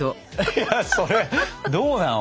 いやそれどうなの？